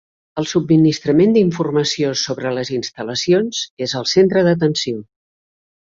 El subministrament d'informació sobre les instal·lacions és el centre d'atenció.